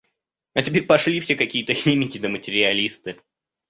А теперь пошли все какие-то химики да материалисты.